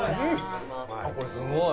これすごい！